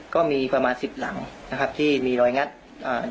ก็มีประมาณสิบหลังนะครับที่มีรอยงัดอ่า